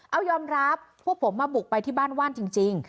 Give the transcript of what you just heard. เอายอมรับพวกผมมาบุกไปที่บ้านว่านจริง